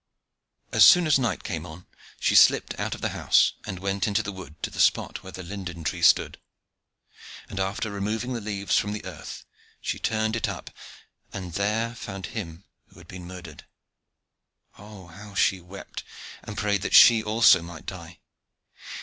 As soon as night came on, she slipped out of the house, and went into the wood, to the spot where the linden tree stood; and after removing the leaves from the earth, she turned it up, and there found him who had been murdered. Oh, how she wept and prayed that she also might die!